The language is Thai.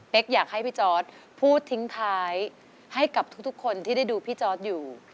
อยากให้พี่จอร์ดพูดทิ้งท้ายให้กับทุกคนที่ได้ดูพี่จอร์ดอยู่